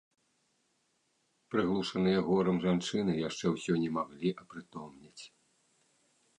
Прыглушаныя горам жанчыны яшчэ ўсё не маглі апрытомнець.